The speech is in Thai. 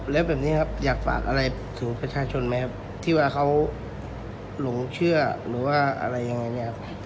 แล้วแบบนี้ครับอยากฝากอะไรถึงประชาชนไหมครับที่ว่าเขาหลงเชื่อหรือว่าอะไรยังไงเนี่ยครับ